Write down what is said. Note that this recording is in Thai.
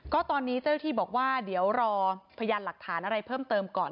ก็ตอนนี้เจ้าที่บอกว่าเดี๋ยวรอพยานหลักฐานอะไรเพิ่มเติมก่อน